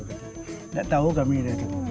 tidak tahu kami itu siapa